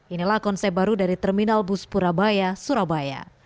inilah konsep baru dari terminal bus purabaya surabaya